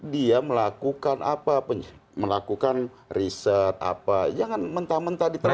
dia melakukan apa melakukan riset apa jangan mentah mentah ditemukan